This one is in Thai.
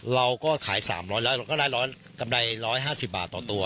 เราก็ขาย๓๐๐แล้วก็๑๐๐กำไร๑๕๐บาทต่อตัว